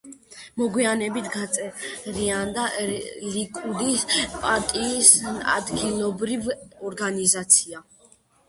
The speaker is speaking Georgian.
მოგვიანებით გაწევრიანდა ლიკუდის პარტიის ადგილობრივ ორგანიზაციაში.